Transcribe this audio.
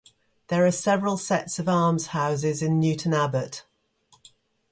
There are several sets of almshouses in Newton Abbot.